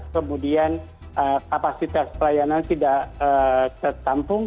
kemudian kapasitas pelayanan tidak tertampung